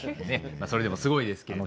それでもすごいですけれども。